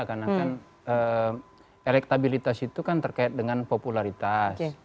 karena elektabilitas itu kan terkait dengan popularitas